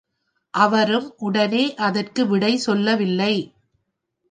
அவரும் உடனே அதற்கு விடை சொல்லவில்லை.